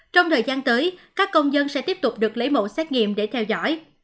trong thời gian tới các công dân sẽ tiếp tục được lấy mẫu xét nghiệm để theo dõi